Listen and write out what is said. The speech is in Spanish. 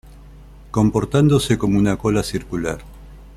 Comportándose como una cola circular.